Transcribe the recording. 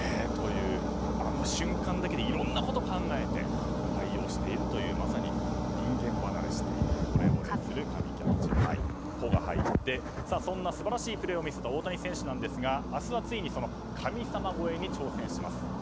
あの瞬間だけでいろんなことを考えて対応しているというまさに人間離れしているほれぼれする神キャッチの「ホ」が入ってそんな素晴らしいプレーを見せた大谷選手ですが明日はついに神様超えに挑戦します。